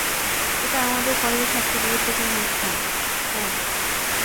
এটা আমাদের কলেজের সবচেয়ে গুরুত্বপূর্ণ স্থান - ওহ?